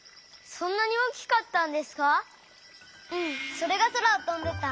それがそらをとんでた。